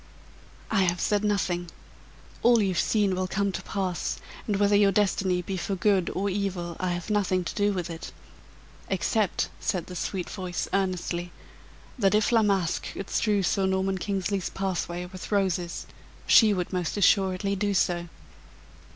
"I have said nothing all you've seen will come to pass, and whether your destiny be for good or evil, I have nothing to do with it, except," said the sweet voice, earnestly, "that if La Masque could strew Sir Norman Kingsley's pathway with roses, she would most assuredly do so."